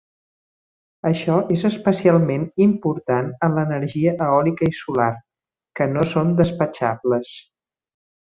Això és especialment important en l'energia eòlica i solar, que no són despatxables.